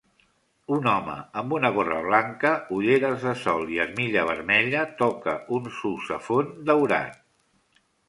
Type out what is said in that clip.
Un home amb una gorra blanca, ulleres de sol i armilla vermella toca un sousàfon daurat.